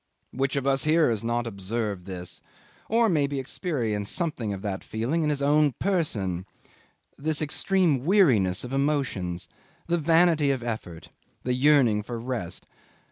Which of us here has not observed this, or maybe experienced something of that feeling in his own person this extreme weariness of emotions, the vanity of effort, the yearning for rest?